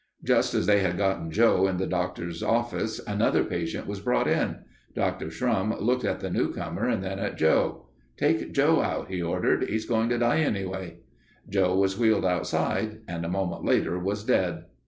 Just as they had gotten Joe in the doctor's office, another patient was brought in. Dr. Shrum looked at the new comer and then at Joe. "Take Joe out," he ordered. "He's going to die anyway." Joe was wheeled outside and a moment later was dead.